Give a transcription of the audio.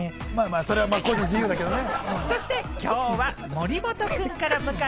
それはまぁ自由だけれどもね。